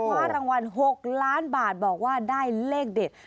คว้ารางวัล๖ล้านบาทบอกว่าได้เลขเด็ด